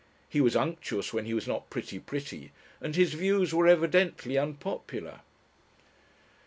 He was unctuous when he was not pretty pretty, and his views were evidently unpopular.